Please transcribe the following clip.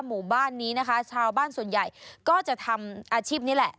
หมู่บ้านนี้นะคะชาวบ้านส่วนใหญ่ก็จะทำอาชีพนี้แหละ